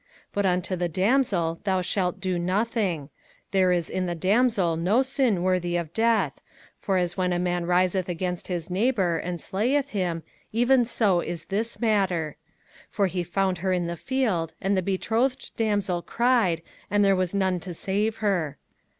05:022:026 But unto the damsel thou shalt do nothing; there is in the damsel no sin worthy of death: for as when a man riseth against his neighbour, and slayeth him, even so is this matter: 05:022:027 For he found her in the field, and the betrothed damsel cried, and there was none to save her.